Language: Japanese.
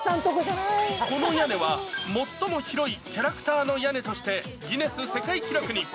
この屋根は、最も広いキャラクターの屋根として、ギネス世界記録に。